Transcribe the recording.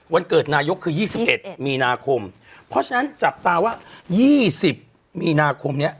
วันเกิดนายกคือยี่สิบเอ็ดมีนาคมเพราะฉะนั้นจับตาว่ายี่สิบมีนาคมเนี้ย